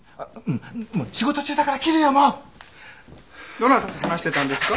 どなたと話してたんですか？